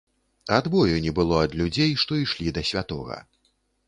Адбою не было ад людзей, што ішлі да святога.